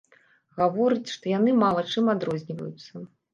Гаворыць, што яны мала чым адрозніваюцца.